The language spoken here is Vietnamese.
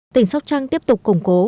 tỉnh sóc trăng tiếp tục củng cố